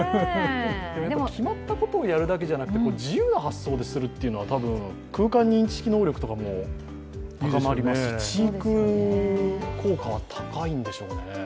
決まったことをやるだけじゃなくて、自由な発想でするというのは多分、空間認識能力とかも高まりますし知育効果は高いんでしょうね。